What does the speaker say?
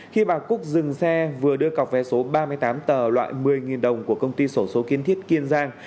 khi bà cúc dừng xe vừa đưa cọc vé số ba mươi tám tờ loại một mươi đồng của công ty sổ số kiến thiết kiên giang